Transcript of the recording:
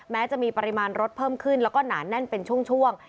แม้จะมีปริมาณรถเพิ่มขึ้นแล้วก็หนาแน่นเป็นช่วง